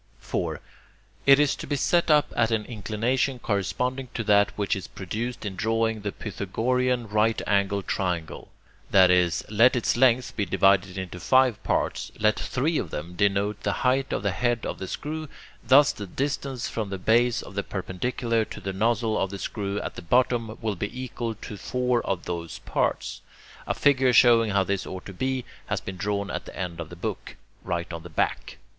4. It is to be set up at an inclination corresponding to that which is produced in drawing the Pythagorean right angled triangle: that is, let its length be divided into five parts; let three of them denote the height of the head of the screw; thus the distance from the base of the perpendicular to the nozzle of the screw at the bottom will be equal to four of those parts. A figure showing how this ought to be, has been drawn at the end of the book, right on the back.